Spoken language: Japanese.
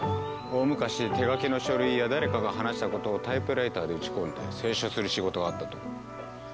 大昔手書きの書類や誰かが話したことをタイプライターで打ち込んで清書する仕事があったという。